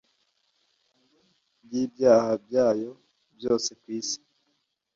ry’ibyaha byayo byose kwisi.